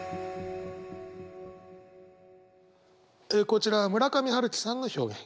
こちらは村上春樹さんの表現。